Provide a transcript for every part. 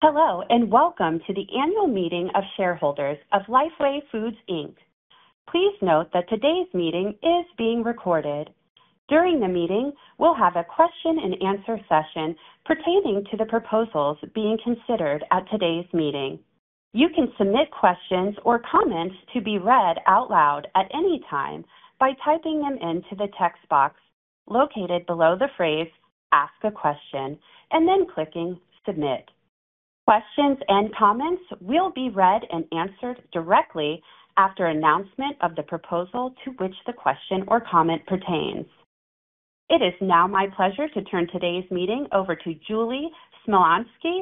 Hello, welcome to the Annual Meeting of Shareholders of Lifeway Foods, Inc. Please note that today's meeting is being recorded. During the meeting, we'll have a question and answer session pertaining to the proposals being considered at today's meeting. You can submit questions or comments to be read out loud at any time by typing them into the text box located below the phrase "Ask a question," and then clicking Submit. Questions and comments will be read and answered directly after announcement of the proposal to which the question or comment pertains. It is now my pleasure to turn today's meeting over to Julie Smolyansky,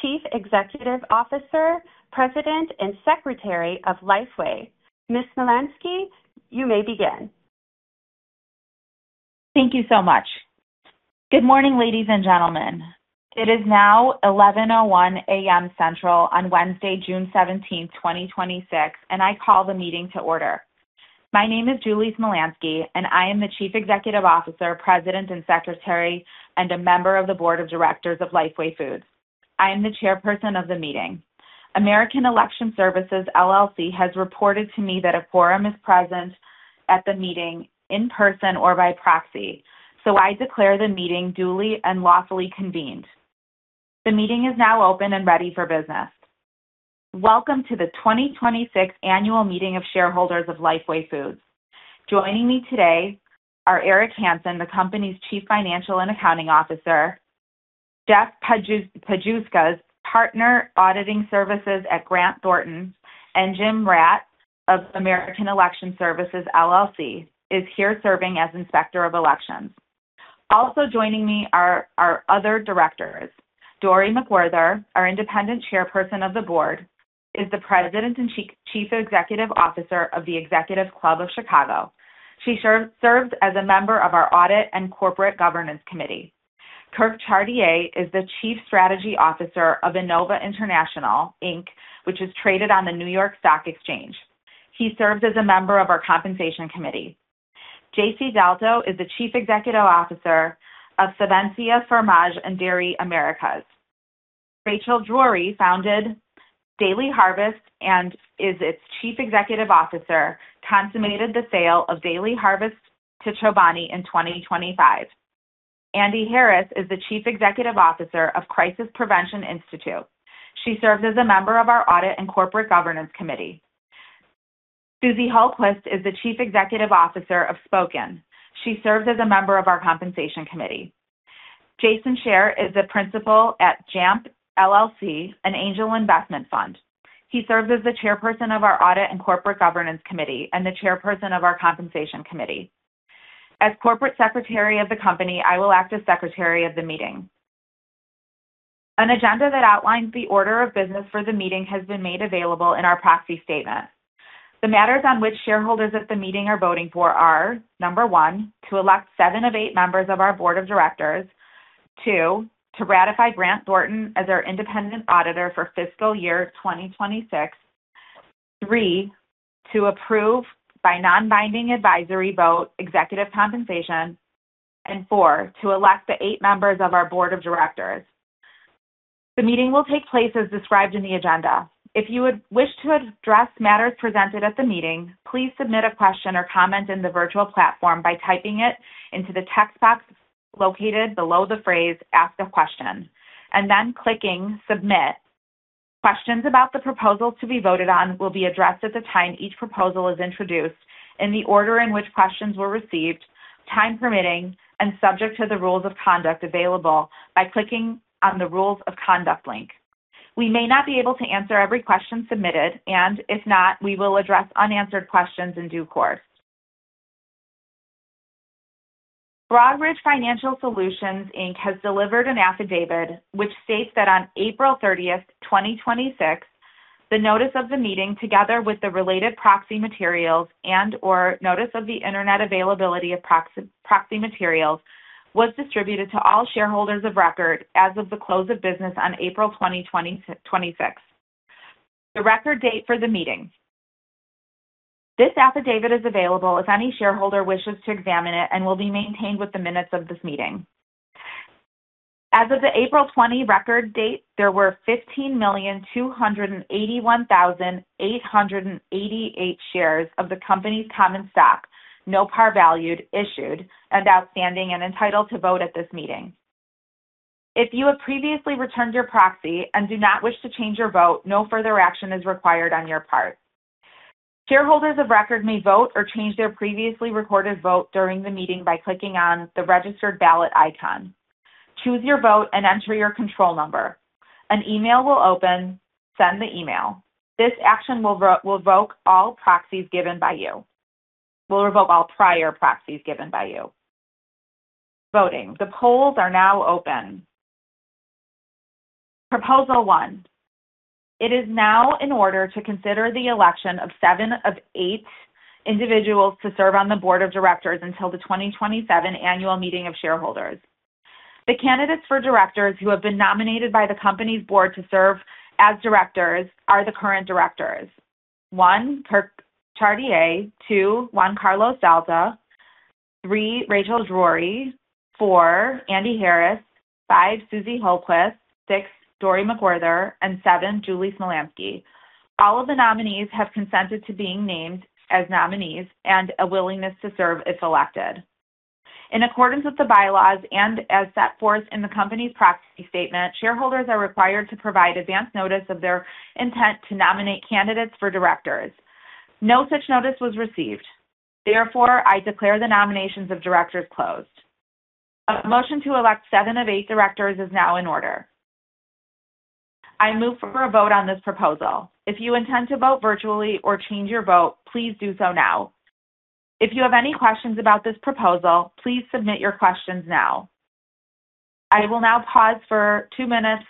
Chief Executive Officer, President, and Secretary of Lifeway. Ms. Smolyansky, you may begin. Thank you so much. Good morning, ladies and gentlemen. It is now 11:01 A.M. Central on Wednesday, June 17, 2026. I call the meeting to order. My name is Julie Smolyansky, I am the Chief Executive Officer, President, and Secretary, and a member of the Board of Directors of Lifeway Foods. I am the Chairperson of the meeting. American Election Services, LLC, has reported to me that a quorum is present at the meeting in person or by proxy. I declare the meeting duly and lawfully convened. The meeting is now open and ready for business. Welcome to the 2026 Annual Meeting of Shareholders of Lifeway Foods. Joining me today are Eric Hanson, the company's Chief Financial and Accounting Officer, Jeff Pajauskas, Partner, Auditing Services at Grant Thornton, and Jim Ratts of American Election Services, LLC is here serving as Inspector of Elections. Also joining me are our other directors. Dorri McWhorter, our Independent Chairperson of the Board, is the President and Chief Executive Officer of The Executives' Club of Chicago. She serves as a member of our audit and corporate governance committee. Kirk Chartier is the Chief Strategy Officer of Enova International, Inc, which is traded on the New York Stock Exchange. He serves as a member of our compensation committee. JC Dalto is the Chief Executive Officer of Savencia Fromage & Dairy Americas. Rachel Drori founded Daily Harvest and is its Chief Executive Officer, consummated the sale of Daily Harvest to Chobani in 2025. Andee Harris is the Chief Executive Officer of Crisis Prevention Institute. She serves as a member of our audit and corporate governance committee. Susie Hultquist is the Chief Executive Officer of Spokin. She serves as a member of our compensation committee. Jason Scher is a principal at JAMP LLC, an angel investment fund. He serves as the chairperson of our audit and corporate governance committee and the chairperson of our compensation committee. As corporate secretary of the company, I will act as Secretary of the meeting. An agenda that outlines the order of business for the meeting has been made available in our proxy statement. The matters on which shareholders at the meeting are voting for are, number one, to elect seven of eight members of our Board of Directors. Two, to ratify Grant Thornton as our independent auditor for fiscal year 2026. Three, to approve by non-binding advisory vote executive compensation. Four, to elect the eight members of our Board of Directors. The meeting will take place as described in the agenda. If you would wish to address matters presented at the meeting, please submit a question or comment in the virtual platform by typing it into the text box located below the phrase "Ask a question," and then clicking Submit. Questions about the proposals to be voted on will be addressed at the time each proposal is introduced in the order in which questions were received, time permitting, and subject to the rules of conduct available by clicking on the rules of conduct link. We may not be able to answer every question submitted, and if not, we will address unanswered questions in due course. Broadridge Financial Solutions, Inc., has delivered an affidavit, which states that on April 30, 2026, the notice of the meeting, together with the related proxy materials and/or notice of the internet availability of proxy materials, was distributed to all shareholders of record as of the close of business on April 20, 2026, the record date for the meeting. This affidavit is available if any shareholder wishes to examine it and will be maintained with the minutes of this meeting. As of the April 20 record date, there were 15,281,888 shares of the company's common stock, no par valued, issued and outstanding and entitled to vote at this meeting. If you have previously returned your proxy and do not wish to change your vote, no further action is required on your part. Shareholders of record may vote or change their previously recorded vote during the meeting by clicking on the registered ballot icon. Choose your vote and enter your control number. An email will open. Send the email. This action will revoke all prior proxies given by you. Voting. The polls are now open. Proposal 1. It is now in order to consider the election of seven of eight individuals to serve on the Board of Directors until the 2027 Annual Meeting of Shareholders. The candidates for directors who have been nominated by the company's board to serve as directors are the current directors. One, Kirk Chartier. Two, Juan Carlos Dalto. Three, Rachel Drori. Four, Andee Harris. Five, Susie Hultquist. Six, Dorri McWhorter. Seven, Julie Smolyansky. All of the nominees have consented to being named as nominees and a willingness to serve if elected. In accordance with the bylaws and as set forth in the company's proxy statement, shareholders are required to provide advance notice of their intent to nominate candidates for directors. No such notice was received. I declare the nominations of directors closed. A motion to elect seven of eight directors is now in order. I move for a vote on this proposal. If you intend to vote virtually or change your vote, please do so now. If you have any questions about this proposal, please submit your questions now. I will now pause for two minutes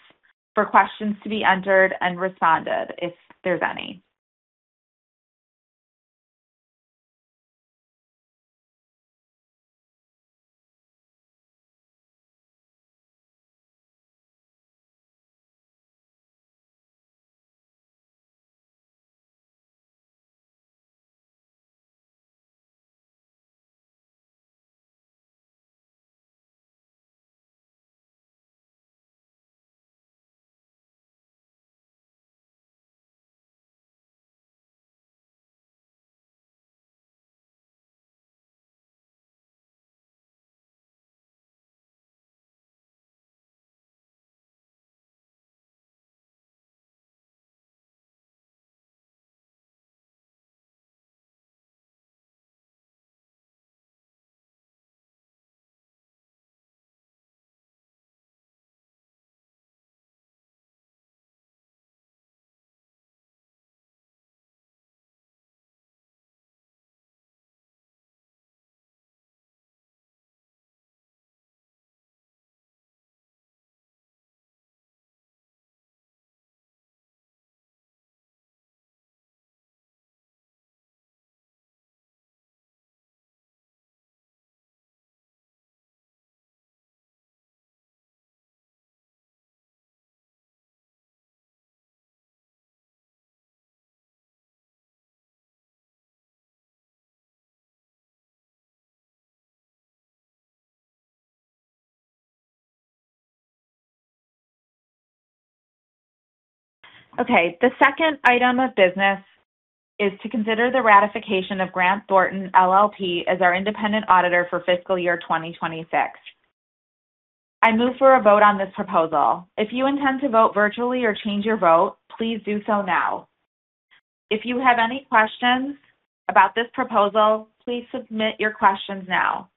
for questions to be entered and responded, if there's any. Okay. The second item of business is to consider the ratification of Grant Thornton LLP as our independent auditor for fiscal year 2026. I move for a vote on this proposal. If you intend to vote virtually or change your vote, please do so now. If you have any questions about this proposal, please submit your questions now.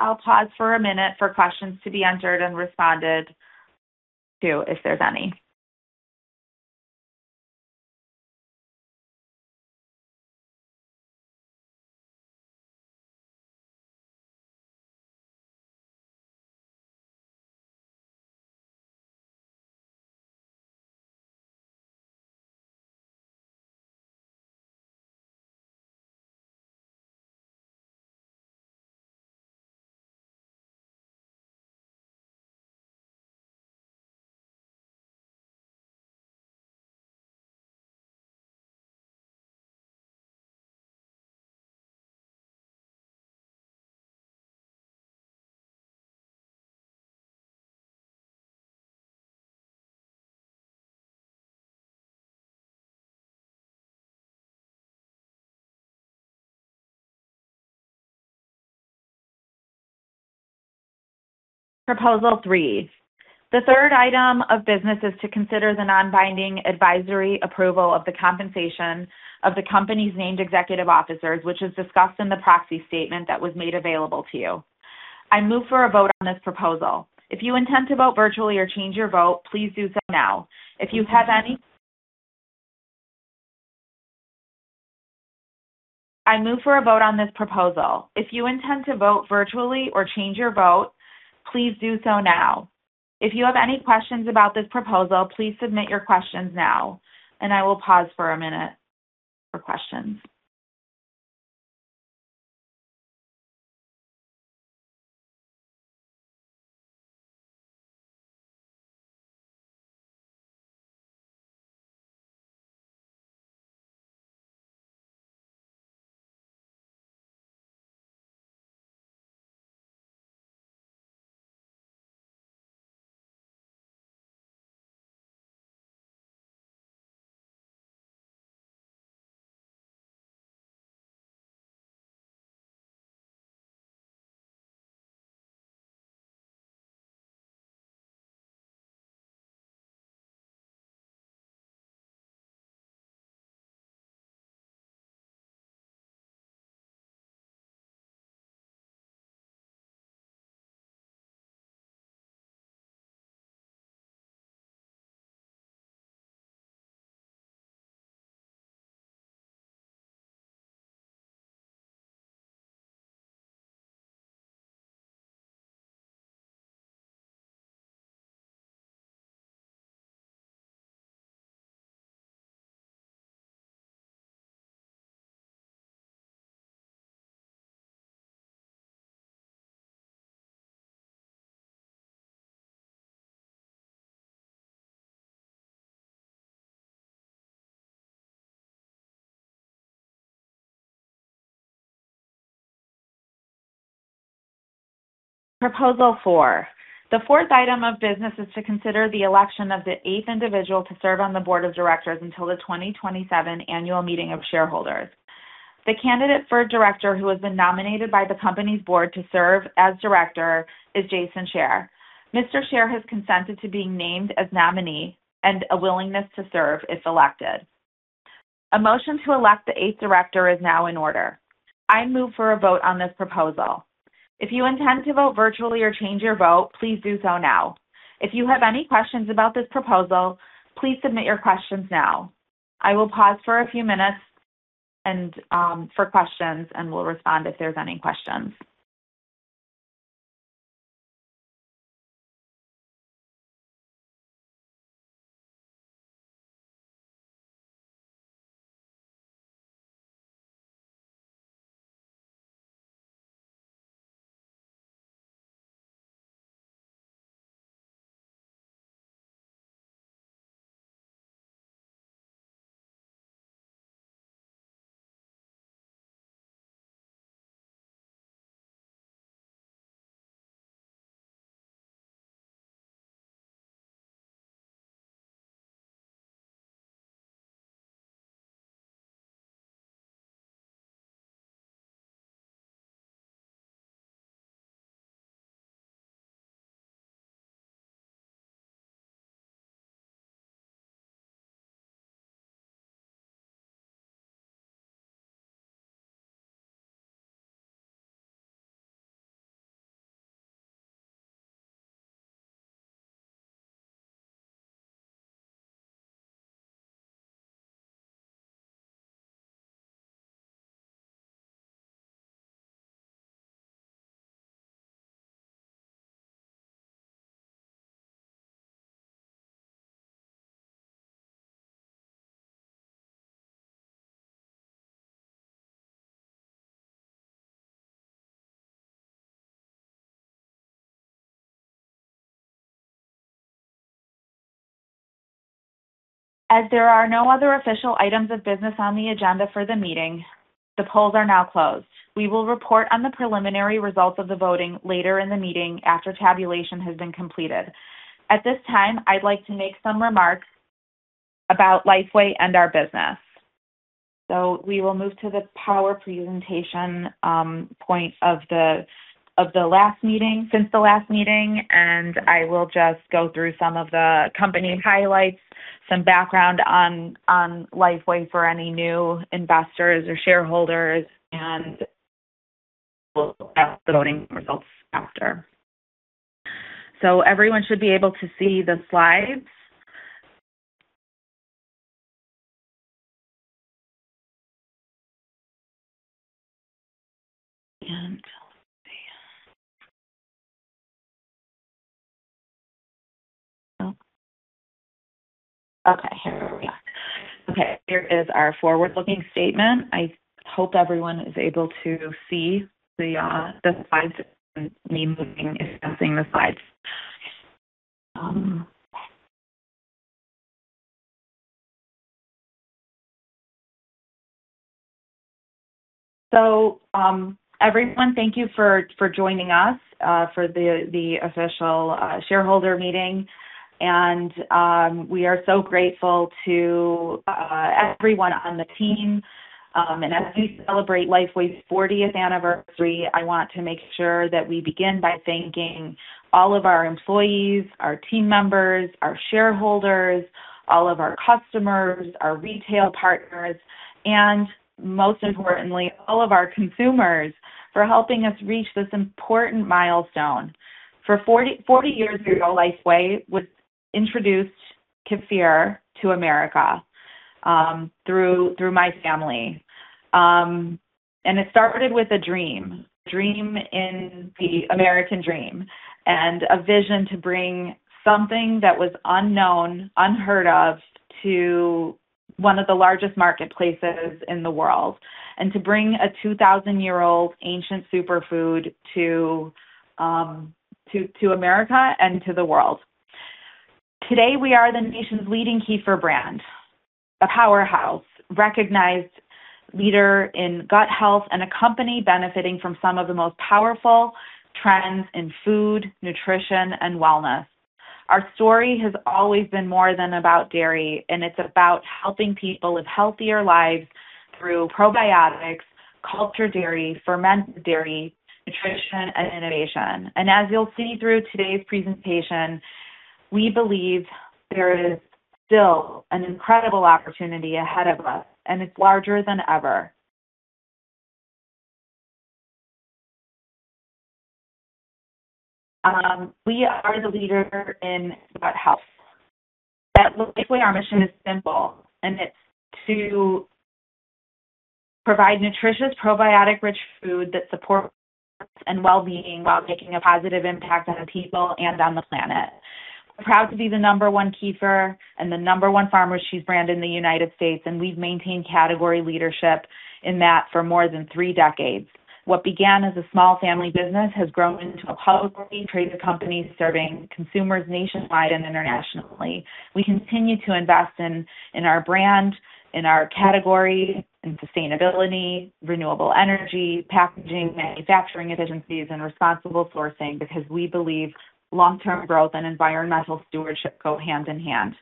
I will pause for a minute for questions to be entered and responded to, if there is any. Proposal 3. The third item of business is to consider the non-binding advisory approval of the compensation of the company's named executive officers, which is discussed in the proxy statement that was made available to you. I move for a vote on this proposal. If you intend to vote virtually or change your vote, please do so now. I move for a vote on this proposal. If you intend to vote virtually or change your vote, please do so now. If you have any questions about this proposal, please submit your questions now. I will pause for a minute for questions. Proposal 4. The fourth item of business is to consider the election of the eighth individual to serve on the Board of Directors until the 2027 Annual Meeting of Shareholders. The candidate for director who has been nominated by the company's board to serve as director is Jason Scher. Mr. Scher has consented to being named as nominee and a willingness to serve if elected. A motion to elect the eighth director is now in order. I move for a vote on this proposal. If you intend to vote virtually or change your vote, please do so now. If you have any questions about this proposal, please submit your questions now. I will pause for a few minutes for questions and will respond if there are any questions. As there are no other official items of business on the agenda for the meeting, the polls are now closed. We will report on the preliminary results of the voting later in the meeting after tabulation has been completed. At this time, I would like to make some remarks about Lifeway and our business. We will move to the power presentation point of the last meeting, since the last meeting, and I will just go through some of the company highlights, some background on Lifeway for any new investors or shareholders, and we will ask the voting results after. Everyone should be able to see the slides. Let's see. Okay, here we are. Okay, here is our forward-looking statement. I hope everyone is able to see the slides and me moving and discussing the slides. Everyone, thank you for joining us for the official shareholder meeting, and we are so grateful to everyone on the team. As we celebrate Lifeway's 40th anniversary, I want to make sure that we begin by thanking all of our employees, our team members, our shareholders, all of our customers, our retail partners, and most importantly, all of our consumers for helping us reach this important milestone. 40 years ago, Lifeway introduced kefir to America, through my family. It started with a dream, a dream in the American dream, and a vision to bring something that was unknown, unheard of, to one of the largest marketplaces in the world, and to bring a 2,000-year-old ancient superfood to America and to the world. Today, we are the nation's leading kefir brand, a powerhouse, recognized leader in gut health, and a company benefiting from some of the most powerful trends in food, nutrition, and wellness. Our story has always been more than about dairy. It's about helping people live healthier lives through probiotics, cultured dairy, fermented dairy, nutrition, and innovation. As you'll see through today's presentation, we believe there is still an incredible opportunity ahead of us, and it's larger than ever. We are the leader in gut health. At Lifeway, our mission is simple. It's to provide nutritious, probiotic-rich food that supports and well-being while making a positive impact on people and on the planet. We're proud to be the number one kefir and the number one Farmer Cheese brand in the U.S. We've maintained category leadership in that for more than three decades. What began as a small family business has grown into a publicly traded company serving consumers nationwide and internationally. We continue to invest in our brand, in our category, in sustainability, renewable energy, packaging, manufacturing efficiencies, and responsible sourcing because we believe long-term growth and environmental stewardship go hand in hand.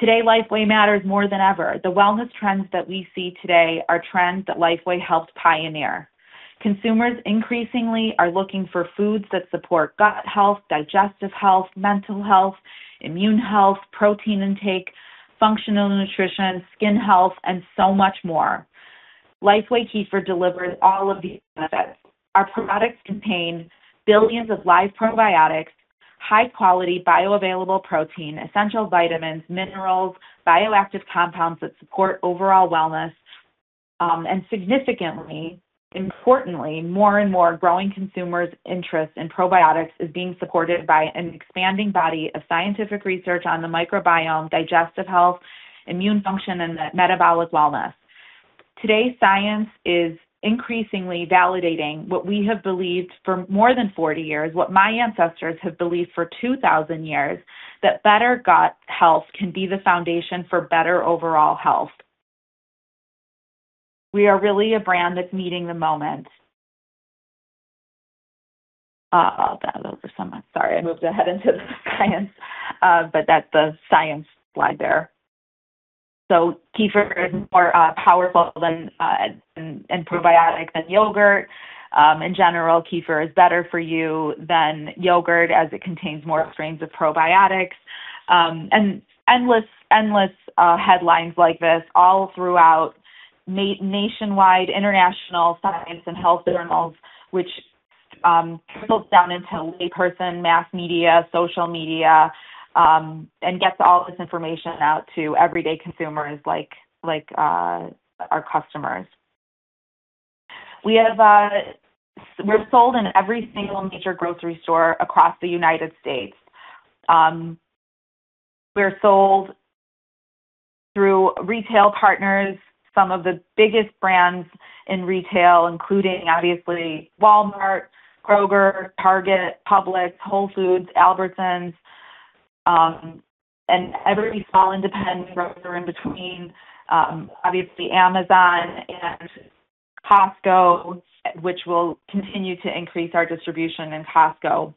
Today, Lifeway matters more than ever. The wellness trends that we see today are trends that Lifeway helped pioneer. Consumers increasingly are looking for foods that support gut health, digestive health, mental health, immune health, protein intake, functional nutrition, skin health, and so much more. Lifeway Kefir delivers all of these benefits. Our products contain billions of live probiotics, high-quality bioavailable protein, essential vitamins, minerals, bioactive compounds that support overall wellness. Significantly, importantly, more and more growing consumers' interest in probiotics is being supported by an expanding body of scientific research on the microbiome, digestive health, immune function, and metabolic wellness. Today, science is increasingly validating what we have believed for more than 40 years, what my ancestors have believed for 2,000 years, that better gut health can be the foundation for better overall health. We are really a brand that's meeting the moment. I'll pause that over somewhat. Sorry, I moved ahead into the science. That's the science slide there. Kefir is more powerful and probiotic than yogurt. In general, kefir is better for you than yogurt as it contains more strains of probiotics. Endless headlines like this all throughout nationwide, international science and health journals, which trickles down into layperson, mass media, social media, and gets all this information out to everyday consumers like our customers. We're sold in every single major grocery store across the U.S. We're sold through retail partners, some of the biggest brands in retail, including, obviously, Walmart, Kroger, Target, Publix, Whole Foods, Albertsons, and every small independent grocer in between, obviously Amazon and Costco, which we'll continue to increase our distribution in Costco.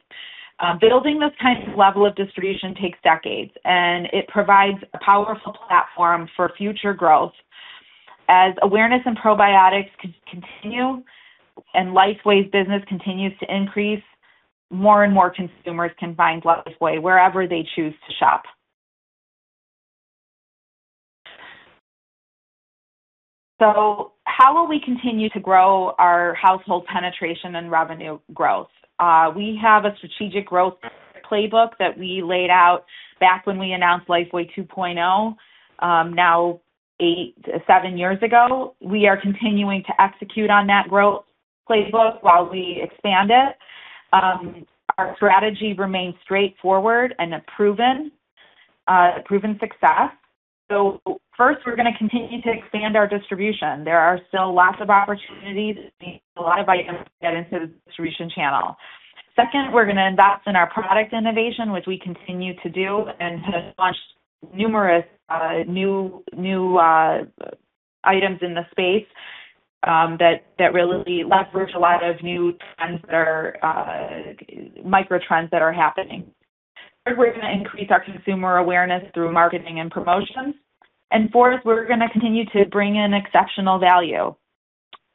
Building this kind of level of distribution takes decades. It provides a powerful platform for future growth. As awareness in probiotics continue and Lifeway's business continues to increase, more and more consumers can find Lifeway wherever they choose to shop. How will we continue to grow our household penetration and revenue growth? We have a strategic growth playbook that we laid out back when we announced Lifeway 2.0, now seven years ago. We are continuing to execute on that growth playbook while we expand it. Our strategy remains straightforward and a proven success. First, we're going to continue to expand our distribution. There are still lots of opportunity, a lot of items to get into the distribution channel. Second, we're going to invest in our product innovation, which we continue to do and have launched numerous new items in the space that really leverage a lot of new trends that are, microtrends that are happening. Third, we're going to increase our consumer awareness through marketing and promotions. Fourth, we're going to continue to bring in exceptional value.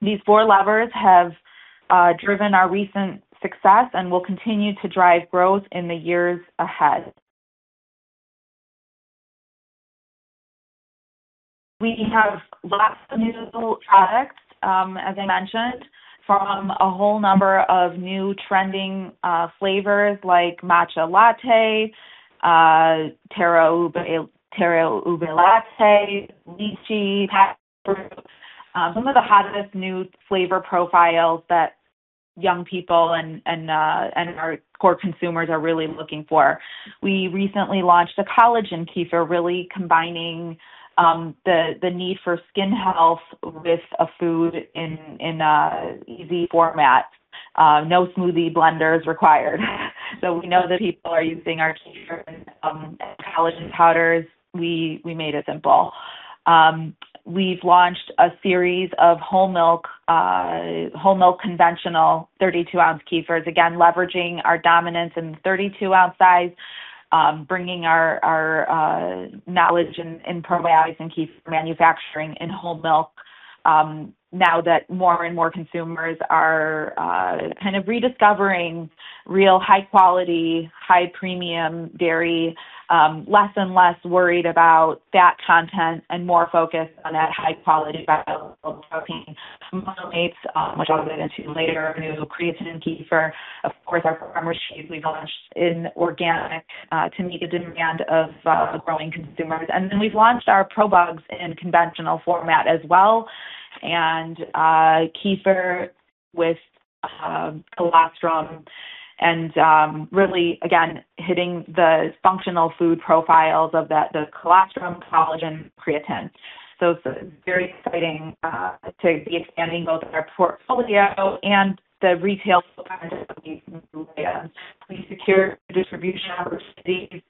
These four levers have driven our recent success and will continue to drive growth in the years ahead. We have lots of new products, as I mentioned, from a whole number of new trending flavors like Matcha Latte, Taro Ube Latte, Lychee, Passionfruit. Some of the hottest new flavor profiles that young people and our core consumers are really looking for. We recently launched a Collagen Kefir, really combining the need for skin health with a food in an easy format. No smoothie blenders required. We know that people are using our kefir and collagen powders. We made it simple. We've launched a series of whole milk conventional 32 oz kefirs, again, leveraging our dominance in the 32 oz size, bringing our knowledge in probiotics and kefir manufacturing in whole milk now that more and more consumers are kind of rediscovering real high quality, high premium dairy, less and less worried about fat content and more focused on that high quality bioavailable protein. Some other notes, which I'll get into later, new creatine kefir. Of course, our Farmer Cheese we've launched in organic to meet the demand of the growing consumers. We've launched our ProBugs in conventional format as well, and kefir with ProBugs strong, and really, again, hitting the functional food profiles of the colostrum, collagen, creatine. It's very exciting to be expanding both our portfolio and the retail we secure distribution opportunities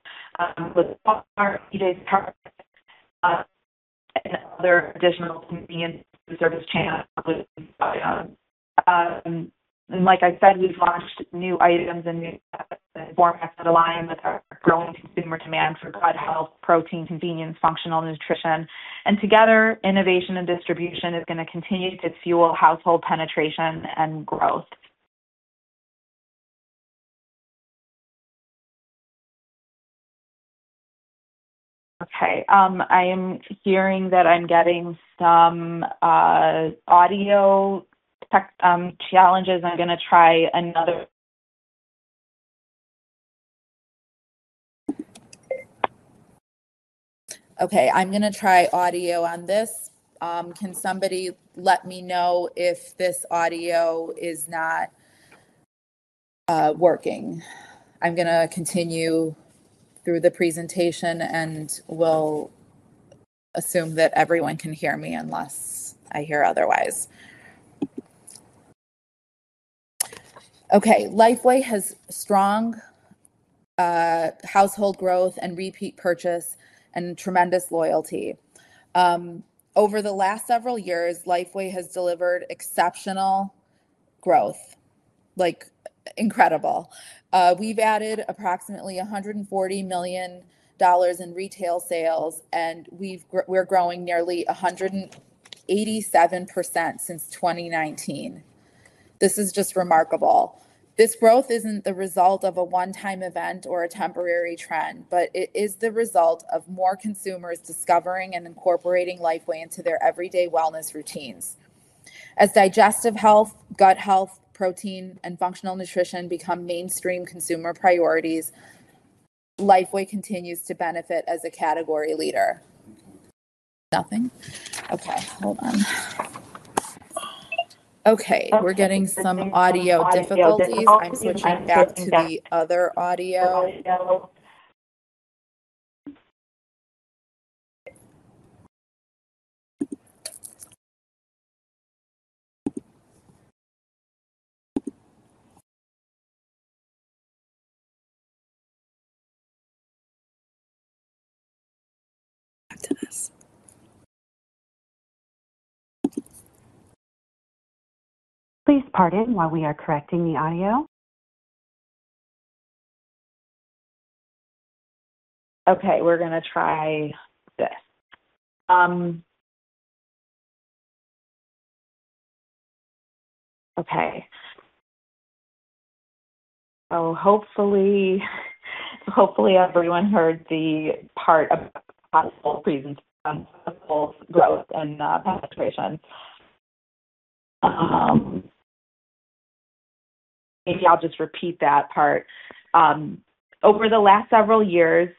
with Walmart, BJ's and other additional convenience service channels. Like I said, we've launched new items and new formats that align with our growing consumer demand for gut health, protein, convenience, functional nutrition. Together, innovation and distribution is going to continue to fuel household penetration and growth. Okay. I am hearing that I'm getting some audio tech challenges. I'm going to try another. Okay. I'm going to try audio on this. Can somebody let me know if this audio is not working? I'm going to continue through the presentation and will assume that everyone can hear me unless I hear otherwise. Okay. Lifeway has strong household growth and repeat purchase and tremendous loyalty. Over the last several years, Lifeway has delivered exceptional growth. Like, incredible. We've added approximately $140 million in retail sales, and we're growing nearly 187% since 2019. This is just remarkable. This growth isn't the result of a one-time event or a temporary trend, but it is the result of more consumers discovering and incorporating Lifeway into their everyday wellness routines. As digestive health, gut health, protein, and functional nutrition become mainstream consumer priorities, Lifeway continues to benefit as a category leader. Nothing? Okay. Hold on. Okay. We're getting some audio difficulties. I'm switching back to the other audio. Please pardon while we are correcting the audio. Okay. We're going to try this. Okay. Hopefully everyone heard the part about possible reasons for growth and penetration. Maybe I'll just repeat that part. Over the last several years,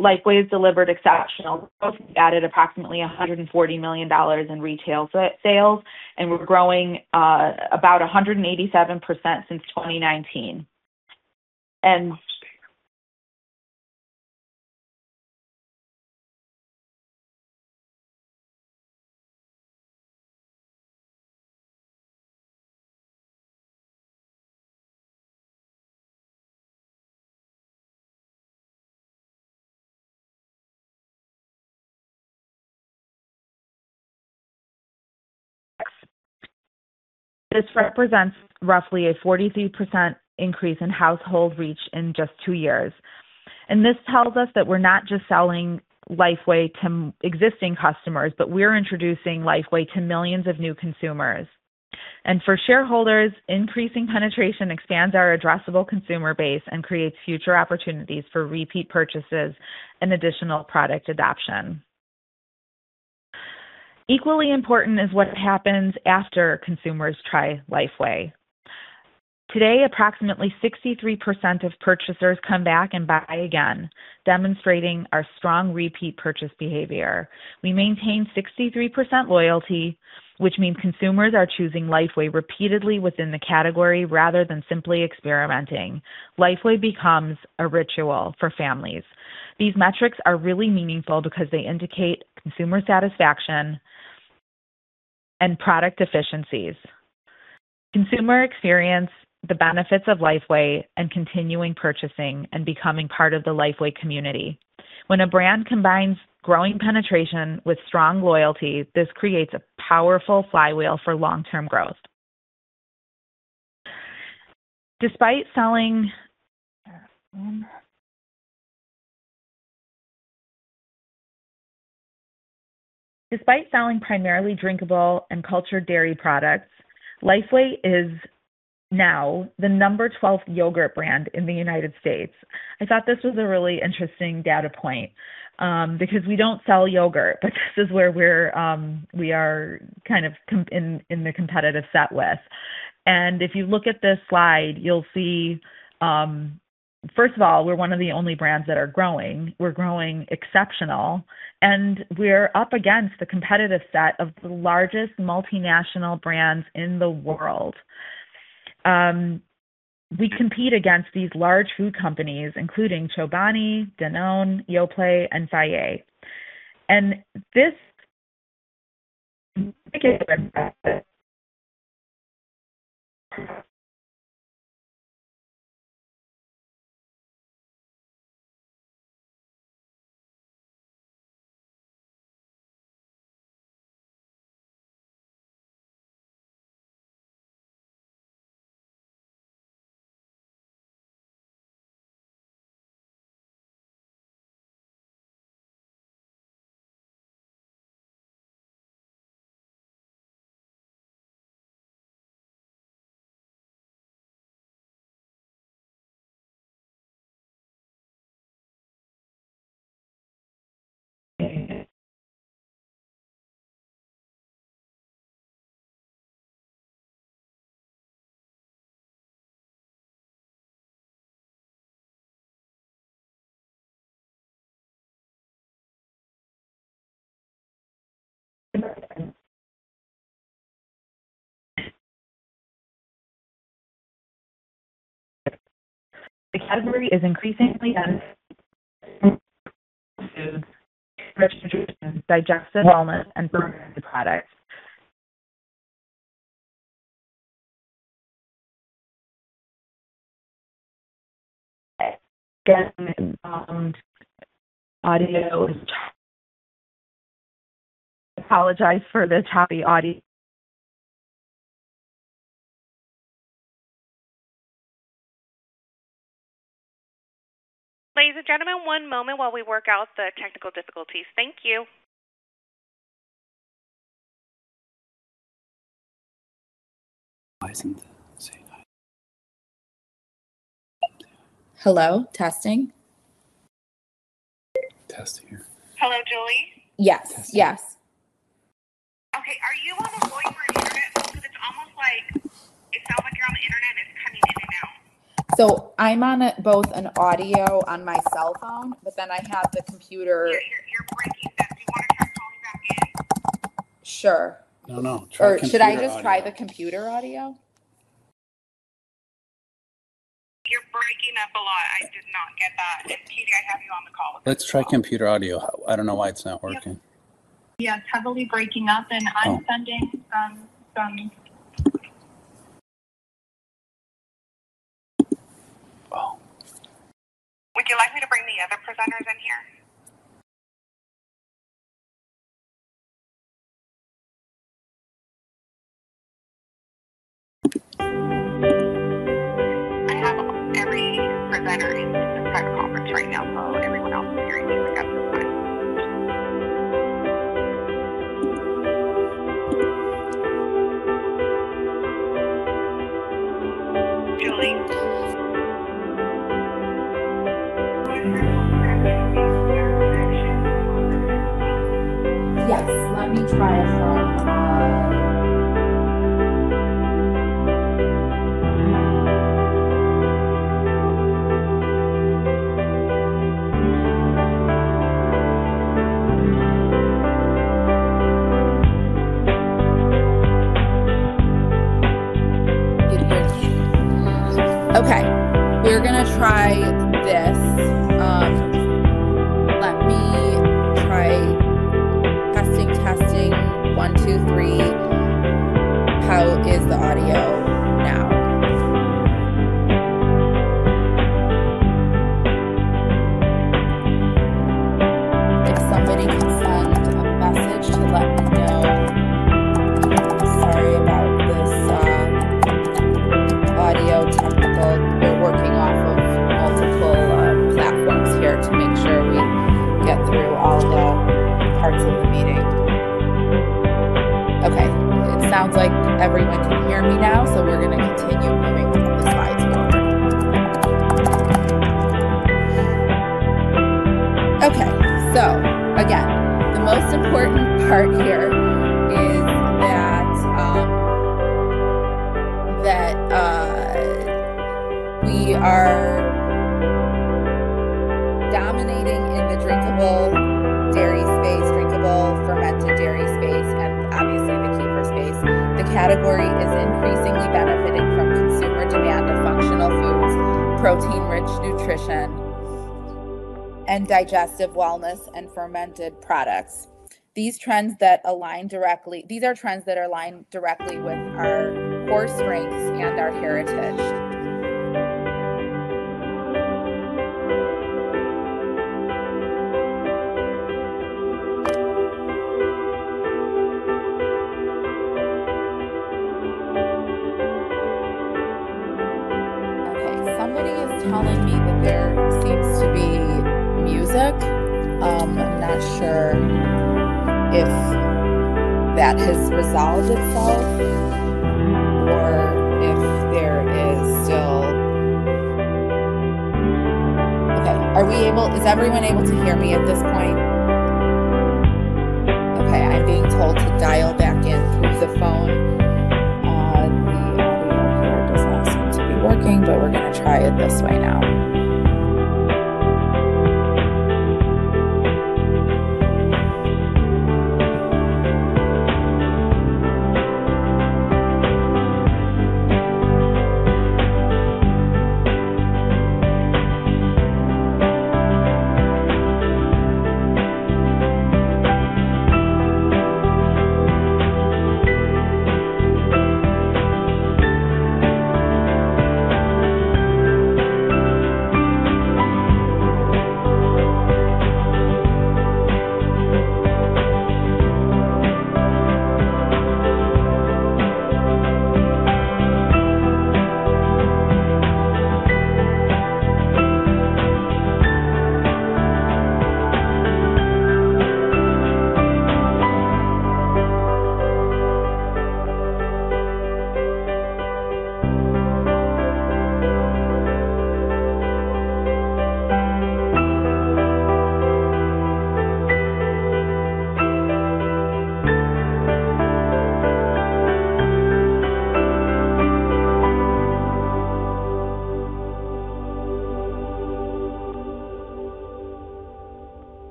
Lifeway has delivered exceptional growth. We've added approximately $140 million in retail sales, and we're growing about 187% since 2019. This represents roughly a 43% increase in household reach in just two years. This tells us that we're not just selling Lifeway to existing customers, but we're introducing Lifeway to millions of new consumers. For shareholders, increasing penetration expands our addressable consumer base and creates future opportunities for repeat purchases and additional product adoption. Equally important is what happens after consumers try Lifeway. Today, approximately 63% of purchasers come back and buy again, demonstrating our strong repeat purchase behavior. We maintain 63% loyalty, which means consumers are choosing Lifeway repeatedly within the category rather than simply experimenting. Lifeway becomes a ritual for families. These metrics are really meaningful because they indicate consumer satisfaction and product efficiencies. Consumer experience the benefits of Lifeway, and continuing purchasing and becoming part of the Lifeway community. When a brand combines growing penetration with strong loyalty, this creates a powerful flywheel for long-term growth. Despite selling primarily drinkable and cultured dairy products, Lifeway is now the number 12th yogurt brand in the United States. I thought this was a really interesting data point, because we don't sell yogurt, but this is where we are kind of in the competitive set with. If you look at this slide, you'll see, first of all, we're one of the only brands that are growing. We're growing exceptional, and we're up against the competitive set of the largest multinational brands in the world. We compete against these large food companies, including Chobani, Danone, Yoplait, and Fage. The category is increasingly digestive wellness and fermented products. Audio is apologize for the choppy audio. Ladies and gentlemen, one moment while we work out the technical difficulties. Thank you. Okay. We're going to try this. Let me try testing. Testing, one, two, three. How is the audio now? If somebody can send a message to let me know. Sorry about this audio technical. We're working off of multiple platforms here to make sure we get through all the parts of the meeting. Okay. It sounds like everyone can hear me now, so we're going to continue moving through the slides now. Again, the most important part here is that we are dominating in the drinkable dairy space, drinkable fermented dairy space, and obviously the kefir space. The category is increasingly benefiting from consumer demand of functional foods, protein-rich nutrition, and digestive wellness and fermented products. These are trends that align directly with our core strengths and our heritage. Okay. Somebody is telling me that there seems to be music. I'm not sure if that has resolved itself or if there is still. Okay. Is everyone able to hear me at this point? I was told to dial back in through the phone. The audio here does not seem to be working. We're going to try it this way now.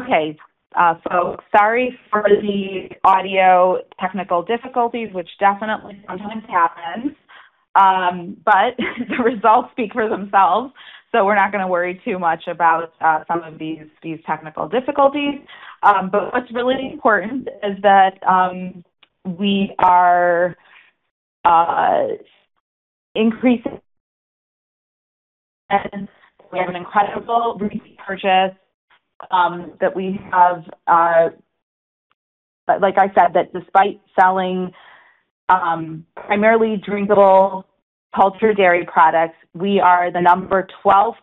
Okay, folks. Sorry for the audio technical difficulties, which definitely sometimes happens. The results speak for themselves, so we're not going to worry too much about some of these technical difficulties. What's really important is that we are increasing we have an incredible recent purchase that we have. Like I said, that despite selling primarily drinkable cultured dairy products, we are the number 12th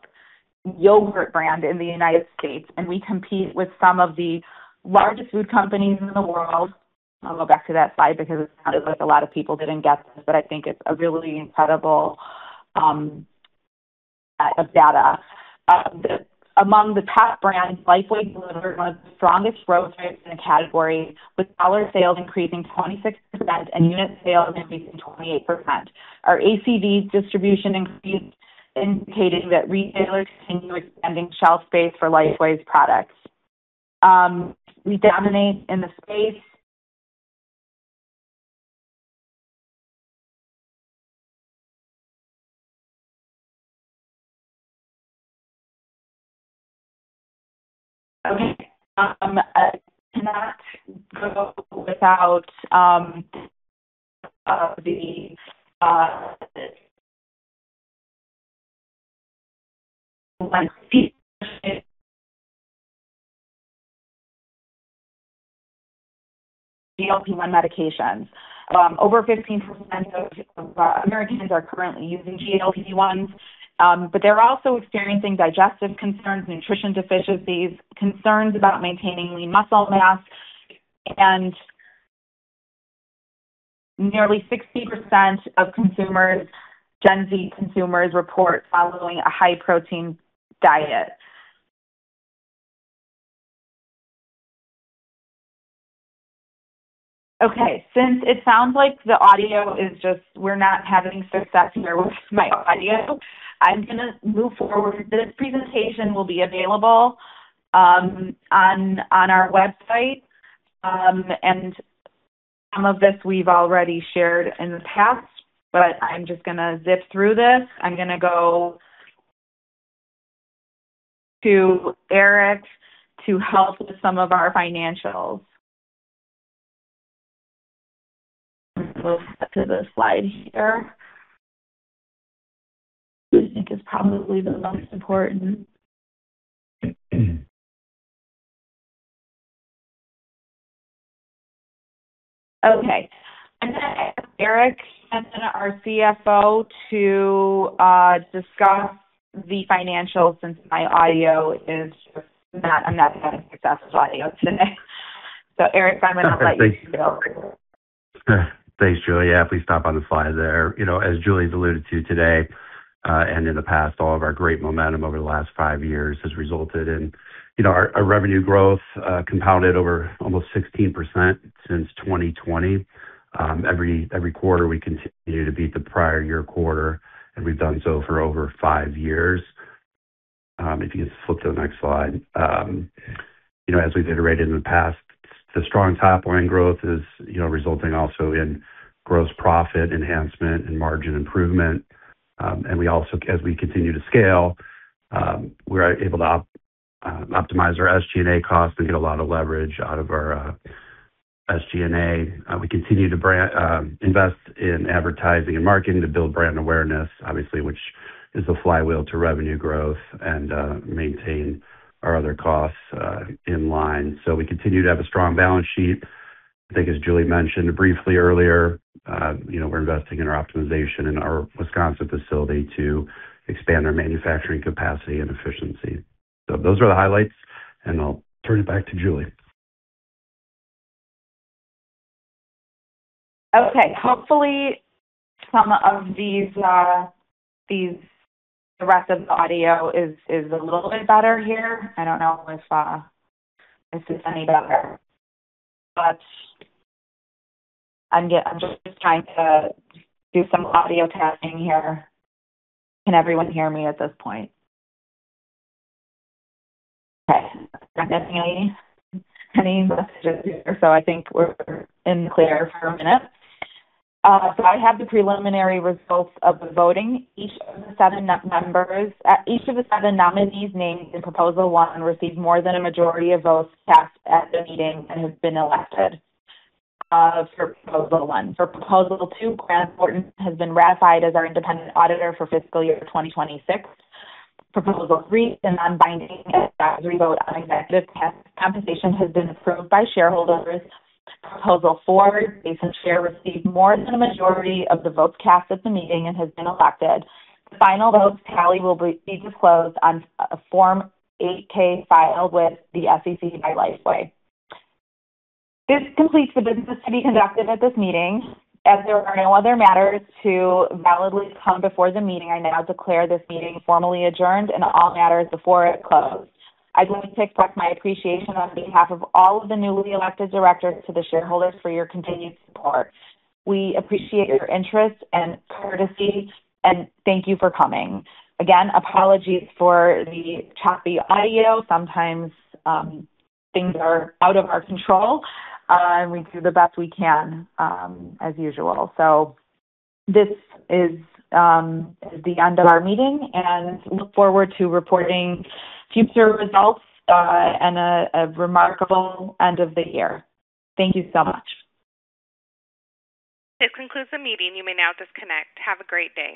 yogurt brand in the United States, and we compete with some of the largest food companies in the world. I'll go back to that slide because it sounded like a lot of people didn't get this, but I think it's a really incredible set of data. Among the top brands, Lifeway delivered one of the strongest growth rates in the category, with dollar sales increasing 26% and unit sales increasing 28%. Our ACD distribution increased, indicating that retailers continue expanding shelf space for Lifeway's products. We dominate in the space. Okay, we cannot go without the GLP-1 medications. Over 15% of Americans are currently using GLP-1s, but they're also experiencing digestive concerns, nutrition deficiencies, concerns about maintaining lean muscle mass, and nearly 60% of Gen Z consumers report following a high-protein diet. Okay. Since it sounds like the audio, we're not having success here with my audio, I'm going to move forward. This presentation will be available on our website. Some of this we've already shared in the past, but I'm just going to zip through this. I'm going to go to Eric to help with some of our financials. We'll flip to this slide here. I think it's probably the most important. Okay. I'm going to hand it to Eric, our CFO, to discuss the financials since my audio is just not successful today. Eric, I'm going to let you take over. Thanks, Julie. Please stop on the slide there. As Julie's alluded to today, and in the past, all of our great momentum over the last five years has resulted in our revenue growth, compounded over almost 16% since 2020. Every quarter, we continue to beat the prior year quarter, and we've done so for over five years. If you could flip to the next slide. As we've iterated in the past, the strong top-line growth is resulting also in gross profit enhancement and margin improvement. As we continue to scale, we are able to optimize our SG&A costs and get a lot of leverage out of our SG&A. We continue to invest in advertising and marketing to build brand awareness, obviously, which is the flywheel to revenue growth, and maintain our other costs in line. We continue to have a strong balance sheet. I think, as Julie mentioned briefly earlier, we're investing in our optimization in our Wisconsin facility to expand our manufacturing capacity and efficiency. Those are the highlights, and I'll turn it back to Julie. Okay. Hopefully, some of these, the rest of the audio is a little bit better here. I don't know if this is any better. I'm just trying to do some audio testing here. Can everyone hear me at this point? I'm not getting any messages here, I think we're in the clear for a minute. I have the preliminary results of the voting. Each of the seven nominees named in Proposal 1 received more than a majority of votes cast at the meeting and have been elected for Proposal 1. For Proposal 2, Grant Thornton has been ratified as our independent auditor for fiscal year 2026. Proposal 3, the non-binding advisory vote on executive compensation has been approved by shareholders. Proposal 4, Jason Scher received more than a majority of the votes cast at the meeting and has been elected. The final votes tally will be disclosed on a Form 8-K filed with the SEC by Lifeway. This completes the business to be conducted at this meeting. There are no other matters to validly come before the meeting, I now declare this meeting formally adjourned and all matters before it closed. I'd like to express my appreciation on behalf of all of the newly elected directors to the shareholders for your continued support. We appreciate your interest and courtesy, and thank you for coming. Again, apologies for the choppy audio. Sometimes things are out of our control, and we do the best we can as usual. This is the end of our meeting, and look forward to reporting future results and a remarkable end of the year. Thank you so much. This concludes the meeting. You may now disconnect. Have a great day.